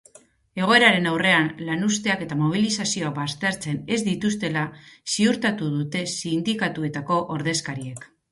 Egoeraren aurrean lanuzteak eta mobilizazioak baztertzen ez dituztela ziurtatu dute sindikatuetako ordezkariek.